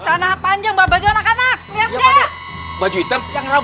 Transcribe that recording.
tanah panjang bawa baju anak anak